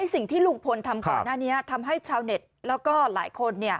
สิ่งที่ลุงพลทำก่อนหน้านี้ทำให้ชาวเน็ตแล้วก็หลายคน